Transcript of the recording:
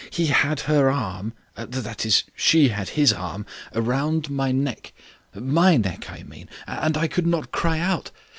He had her arm that is she had his arm round her neck my neck I mean and I could not cry out.